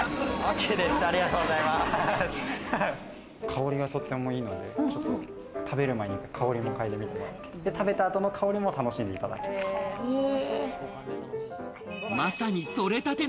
香りがとってもいいので、食べる前に香りもかいでみてもらって、食べた後の香りも楽しんでいただいて。